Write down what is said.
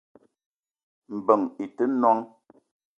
Mbeng i te noong